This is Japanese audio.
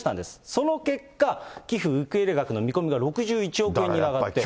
その結果、寄付受け入れ額の見込みが６１億円に上がって。